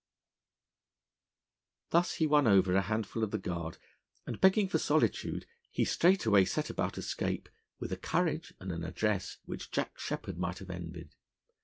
Thus he won over a handful of the Guard, and, begging for solitude, he straightway set about escape with a courage and an address which Jack Sheppard might have envied.